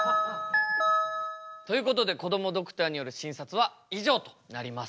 ということでこどもドクターによる診察は以上となります。